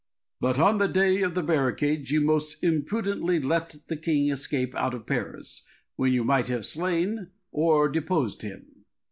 But on the day of the barricades you most imprudently let the king escape out of Paris, when you might have slain or deposed him.